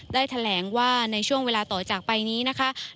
ได้แถลงว่าในช่วงเวลาต่อจากไปนี้นะคะ